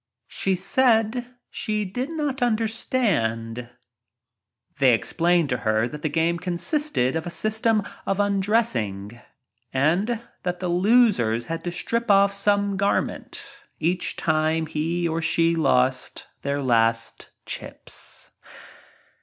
She said she did not understand. They explained to her that the game consisted of a system of un dressing and that the losers had to strip off some garment each time he or she lost their last chips.